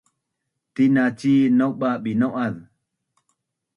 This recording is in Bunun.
tina cin nauba’binau’az